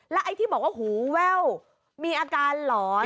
ไอ้ที่บอกว่าหูแว่วมีอาการหลอน